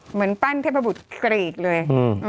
เหมือนปั้นเทพบุตรกรีกเลย